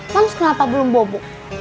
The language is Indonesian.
moms kenapa belum bobok